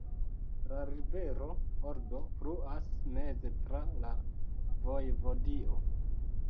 La rivero Odro fluas meze tra la vojevodio.